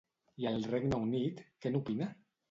I el Regne Unit, què n'opina?